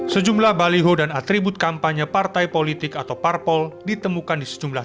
sejumlah baliho dan atribut kampanye partai politik atau parpol ditemukan di sejumlah